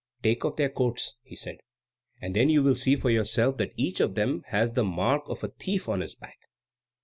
"Take off their coats," he said, "and then you will see for yourselves that each of them has the mark of a thief on his back."